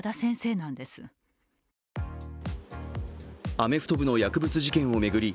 アメフト部の薬物事件を巡り